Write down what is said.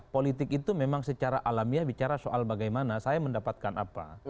politik itu memang secara alamiah bicara soal bagaimana saya mendapatkan apa